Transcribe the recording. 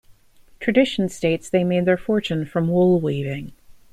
Tradition states they made their fortune from wool weaving.